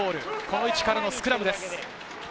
この位置からのスクラムです。